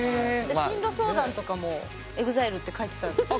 じゃ進路相談とかも「ＥＸＩＬＥ」って書いてたんですか？